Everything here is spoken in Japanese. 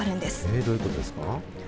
え、どういうことですか。